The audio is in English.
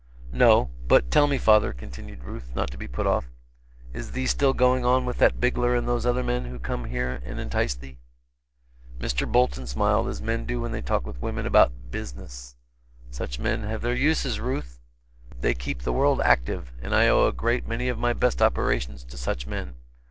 "No. But tell me father," continued Ruth, not to be put off, "is thee still going on with that Bigler and those other men who come here and entice thee?" Mr. Bolton smiled, as men do when they talk with women about "business". "Such men have their uses, Ruth. They keep the world active, and I owe a great many of my best operations to such men.